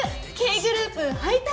Ｋグループ敗退！